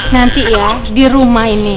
nanti ya di rumah ini